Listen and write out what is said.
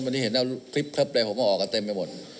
วันนี้เห็นแล้วคลิปเคลอบใจผมว่าออกกันเต็มไปหมด